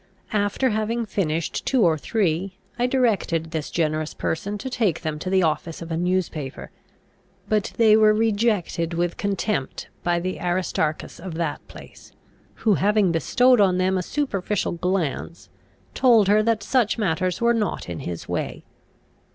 After having finished two or three, I directed this generous creature to take them to the office of a newspaper; but they were rejected with contempt by the Aristarchus of that place, who, having bestowed on them a superficial glance, told her that such matters were not in his way.